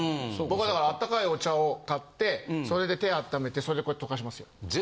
僕はだからあったかいお茶を買ってそれで手あっためてそれでこうやって溶かしますよ。